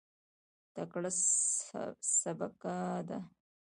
تکړه سبکه ده.